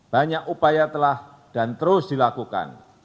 banyak upaya telah dan terus dilakukan